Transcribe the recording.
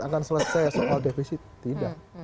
akan selesai soal defisit tidak